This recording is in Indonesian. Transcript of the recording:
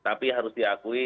tapi harus diakui